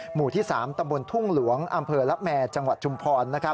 หมู่ที่๓ตำบลทุ่งหลวงอำเภอละแมจังหวัดชุมพร